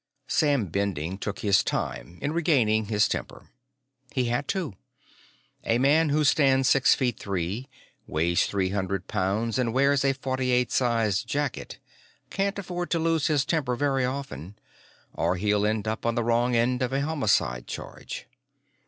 Sam Bending took his time in regaining his temper. He had to. A man who stands six feet three, weighs three hundred pounds, and wears a forty eight size jacket can't afford to lose his temper very often or he'll end up on the wrong end of a homicide charge.